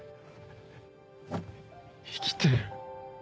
生きてる。